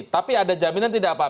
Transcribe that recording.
tapi ada jaminan tidak pak